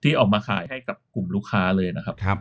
ออกมาขายให้กับกลุ่มลูกค้าเลยนะครับ